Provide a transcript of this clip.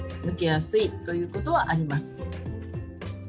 抜けやすということはあります。